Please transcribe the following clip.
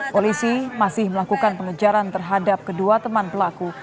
polisi masih melakukan pengejaran terhadap kedua teman pelaku